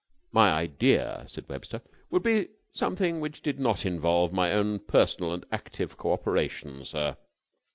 "My idea," said Webster, "would be something which did not involve my own personal and active co operation, sir.